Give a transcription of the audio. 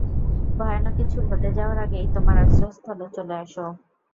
ভয়ানক কিছু ঘটে যাওয়ার আগেই তোমার আশ্রয়স্থলে চলে আসো!